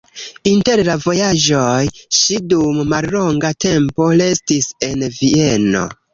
Inter la vojaĝoj ŝi dum mallonga tempo restis en Vieno.